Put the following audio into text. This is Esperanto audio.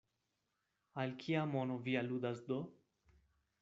Al kia mono vi aludas do?